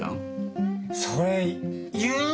それ言う？